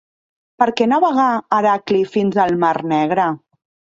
Per què navegà Heracli fins al Mar Negre?